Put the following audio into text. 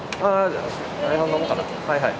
はい。